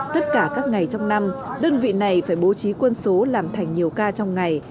tất cả các ngày trong năm đơn vị này phải bố trí quân số làm thành nhiều ca trong ngày